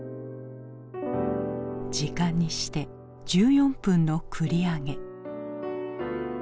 時間にして１４分の繰り上げ。